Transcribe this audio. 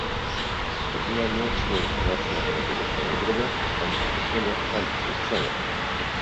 Rodzina nie otrzymuje informacji na temat jego stanu zdrowia, ani fizycznego, ani psychicznego